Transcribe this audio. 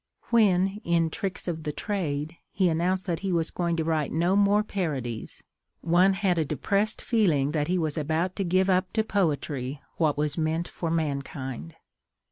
When, in Tricks of the Trade, he announced that he was going to write no more parodies, one had a depressed feeling that he was about to give up to poetry what was meant for mankind.